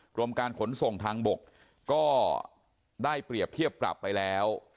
กรมการขนส่งทางบกก็ได้เปรียบเทียบปรับไปแล้ว